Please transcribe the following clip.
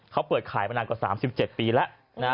เขาเปิดขายมานานกว่า๓๗ปีแล้วนะ